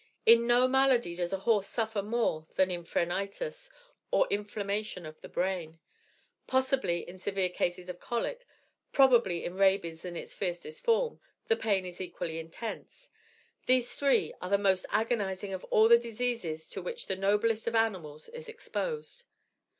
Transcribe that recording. In no malady does a horse suffer more than in phrenitis, or inflammation of the brain. Possibly in severe cases of colic, probably in rabies in its fiercest form, the pain is equally intense. These three are the most agonizing of all the diseases to which the noblest of animals is exposed.